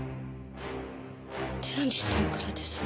寺西さんからです。